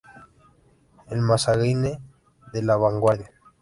En "El Magazine" de "La Vanguardia".